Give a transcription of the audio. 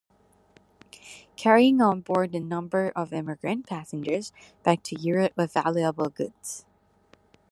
Carrying on board a number of emigrant passengers back to Europe with valuable goods.